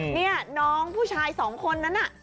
นี่น้องผู้ชายสองคนนั้นน่ะ